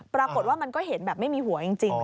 ปรากฏว่ามันก็เห็นแบบไม่มีหัวจริง